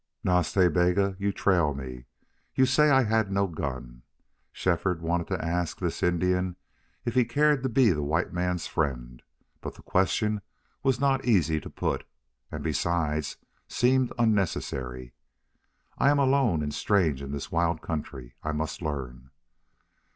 "Nas Ta Bega, you trail me you say I had no gun." Shefford wanted to ask this Indian if he cared to be the white man's friend, but the question was not easy to put, and, besides, seemed unnecessary. "I am alone and strange in this wild country. I must learn."